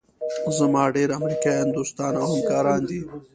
زما ډېر امریکایان دوستان او همکاران دي.